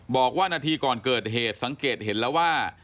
บอกว่านาทีก่อนเกิดเหตุสังเกตเห็นแล้วว่า